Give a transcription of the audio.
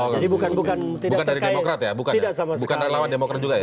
jadi bukan dari demokrat ya bukan lawan demokrat juga ya